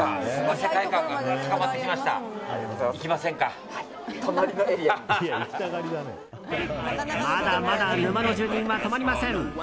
まだまだ沼の住人は止まりません。